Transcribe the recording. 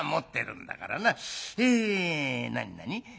え何何？